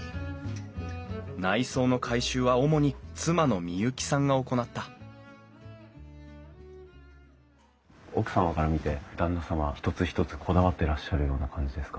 内装の改修は主に妻の美雪さんが行った奥様から見て旦那様は一つ一つこだわってらっしゃるような感じですか？